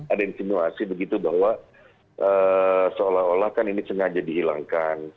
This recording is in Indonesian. ada insinuasi begitu bahwa seolah olah kan ini sengaja dihilangkan